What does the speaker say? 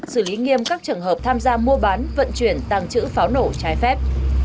xử lý nghiêm các trường hợp tham gia mua bán vận chuyển tăng trữ pháo nổ trái phép